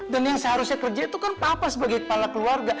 yang seharusnya kerja itu kan papa sebagai kepala keluarga